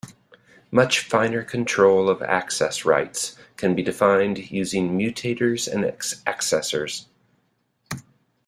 Much finer control of access rights can be defined using mutators and accessors.